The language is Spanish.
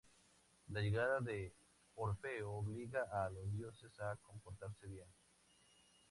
La llegada de Orfeo obliga a los dioses a comportarse bien.